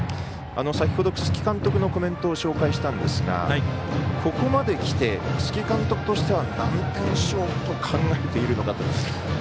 先ほど楠城監督のコメントを紹介したんですがここまできて、楠城監督としては何点勝負を考えているのかと。